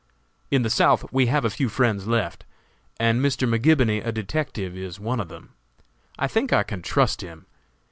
In the South we have a few friends left, and Mr. McGibony, a detective, is one of them. I think I can trust him.